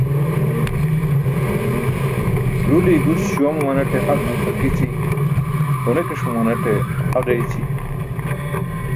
Ruliye gus śuwa mumanate ha halkići, ġuni̇ki̇ṣ mumanate ha ġeeyci̇.